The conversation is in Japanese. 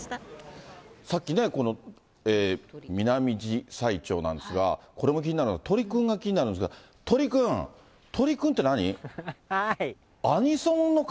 さっきね、このミナミジサイチョウなんですが、これも気になるのは、鳥くんが気になるんですが、鳥くん、鳥くんって何？